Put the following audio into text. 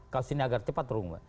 kasus ini agar cepat terungkap